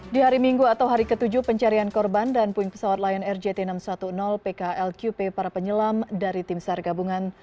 di hari minggu atau hari ke tujuh pencarian korban dan puing pesawat lion air jt enam ratus sepuluh pklqp para penyelam dari tim sar gabungan